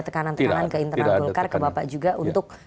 tekanan tekanan ke internal golkar ke bapak juga tidak tidak ada tekanan